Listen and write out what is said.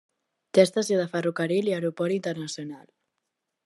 Té estació de ferrocarril i aeroport internacional.